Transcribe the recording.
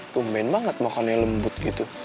tumben banget makan yang lembut gitu